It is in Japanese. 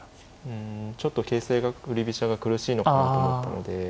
うんちょっと形勢が振り飛車が苦しいのかなと思ったので。